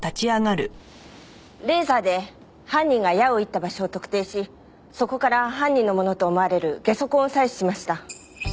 レーザーで犯人が矢を射った場所を特定しそこから犯人のものと思われるゲソ痕を採取しました。